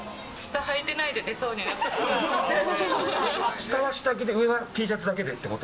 下は下着で上はＴシャツだけでってこと？